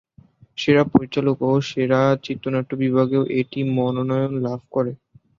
সেরা পরিচালক ও সেরা চিত্রনাট্য বিভাগেও এটি মনোনয়ন লাভ করে।